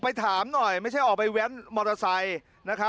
ถามหน่อยไม่ใช่ออกไปแว้นมอเตอร์ไซค์